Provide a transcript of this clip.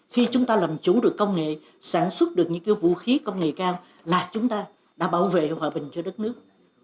khi chúng ta làm chủ được công nghệ sản xuất được những vũ khí công nghệ cao là chúng ta đã bảo vệ hòa bình cho đất nước